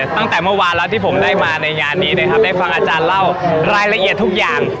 ตั้งแต่เมื่อวานแล้วที่ผมได้มาในงานนี้นะครับได้ฟังอาจารย์เล่ารายละเอียดทุกอย่าง